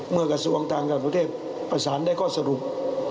เมื่อกระทรวงการต่างการประเทศประสานได้ก็สรุป